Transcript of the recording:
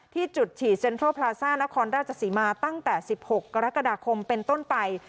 ที่จุดฉีดเซ็นทรัลพลาซ่านครราชสีมาตั้งแต่๑๖กรกฎาคมเป็นต้นไป